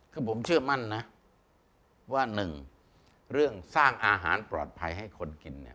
คือผมเชื่อมั่นนะว่าหนึ่งเรื่องสร้างอาหารปลอดภัยให้คนกินเนี่ย